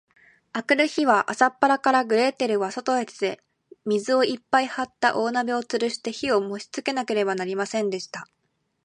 あくる日は、朝っぱらから、グレーテルはそとへ出て、水をいっぱいはった大鍋をつるして、火をもしつけなければなりませんでした。